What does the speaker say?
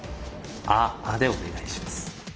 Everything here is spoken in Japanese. ア．アでお願いします。